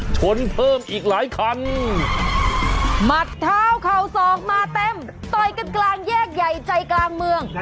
ชนเพิ่มอีกหลายคันหมัดเท้าเข่าศอกมาเต็มต่อยกันกลางแยกใหญ่ใจกลางเมือง